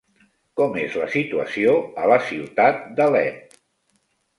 Com és la situació a la ciutat d'Alep?